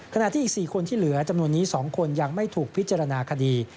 ขณะที่อีก๔คนที่เหลือจำนวนนี้๒คนยังไม่ถูกพิจารณาคดี